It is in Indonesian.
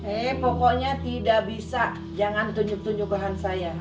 eh pokoknya tidak bisa jangan tunjuk tunjuk bahan saya